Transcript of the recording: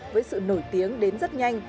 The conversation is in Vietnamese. với sự nổi tiếng đến rất nhanh